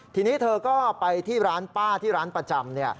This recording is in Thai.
ทีนี้เธอก็ไปที่ร้านป้าที่ร้านประจำ